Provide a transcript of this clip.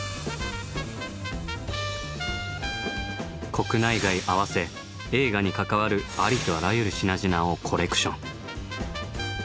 国内外合わせ映画に関わるありとあらゆる品々をコレクション。